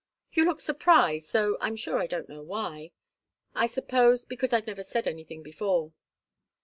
You look surprised, though I'm sure I don't know why. I suppose because I've never said anything before."